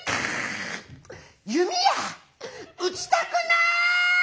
弓矢撃ちたくない？